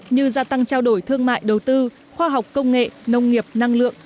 như gia tăng trao đổi thương mại đầu tư khoa học công nghệ nông nghiệp năng lượng